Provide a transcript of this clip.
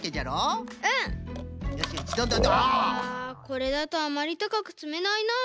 これだとあまりたかくつめないな。